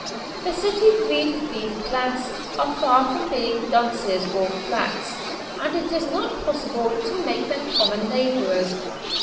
The city bred thief class are far from being dunces or "flats," and it is not possible to make them common labourers.